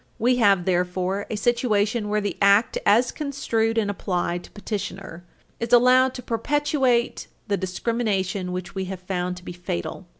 We have therefore a situation where the Act, as construed and applied to petitioner, is allowed to perpetuate the discrimination which we have found to be fatal.